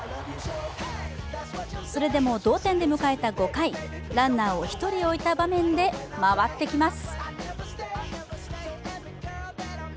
それでも同点で迎えた５回、ランナーを１人置いた場面で回ってきます。